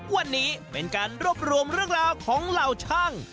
วันนี้เป็นการรวบรวมเรื่องราวของเหล่าช่าง